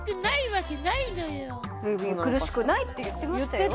苦しくないって言ってましたよ？